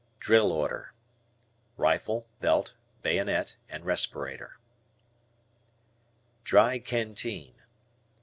"Drill order." Rifle, belt, bayonet, and respirator. Dry Canteen.